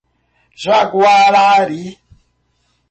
Jaguarari